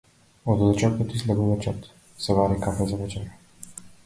Од оџакот излегува чад, се вари кафе за вечера.